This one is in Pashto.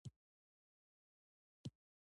ډېر خلک شته، چي څو څو مېرمنې لري.